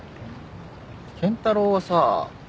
健太郎はさ。